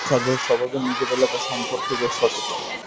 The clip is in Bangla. এরা বেশ আগ্রাসী স্বভাবের, নিজের এলাকা সম্পর্কে বেশ সচেতন।